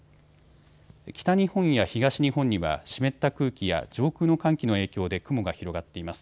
北日本や東日本には湿った空気や上空の寒気の影響で雲が広がっています。